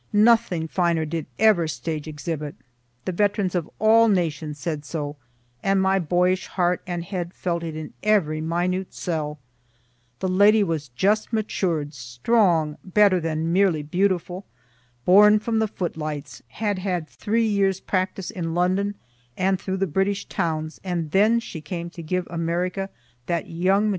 Nothing finer did ever stage exhibit the veterans of all nations said so, and my boyish heart and head felt it in every minute cell. The lady was just matured, strong, better than merely beautiful, born from the footlights, had had three years' practice in London and through the British towns, and then she came to give America that young maturity and roseate power in all their noon, or rather forenoon, flush.